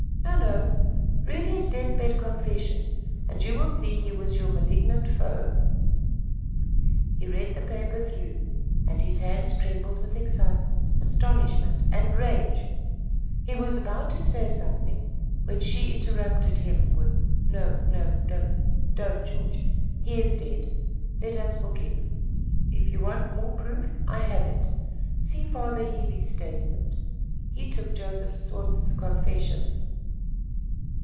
"No, no; read his death bed confession, and you will see he was your malignant foe." He read the paper through, and his hands trembled with excitement, astonishment and rage. He was about to say something, when she interrupted him with: "No, no; don't, don't, George. He is dead let us forgive. If you want more proof, I have it. See Father Healey's statement. He took Joseph Swartz's confession."